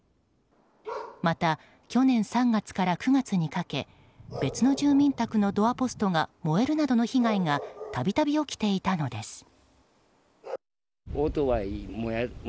また、去年３月から９月にかけ別の住民宅のドアポストが燃えるなどの被害が度々起きていたのです。